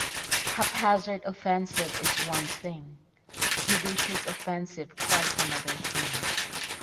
Haphazard offensive is one thing; judicious offensive quite another thing.